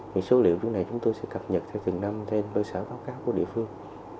thì số liệu chúng này chúng tôi sẽ cập nhật theo từng năm theo cơ sở báo cáo của địa phương